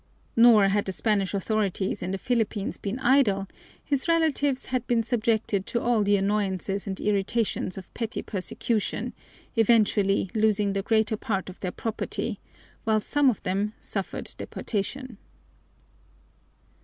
Nor had the Spanish authorities in the Philippines been idle; his relatives had been subjected to all the annoyances and irritations of petty persecution, eventually losing the greater part of their property, while some of them suffered deportation.